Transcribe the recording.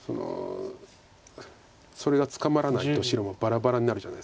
それが捕まらないと白もバラバラになるじゃないですか。